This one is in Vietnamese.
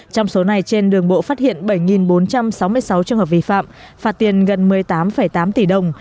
trong số này trên đường bộ phát hiện bảy bốn trăm sáu mươi sáu trường hợp vi phạm phạt tiền gần một mươi tám tám tỷ đồng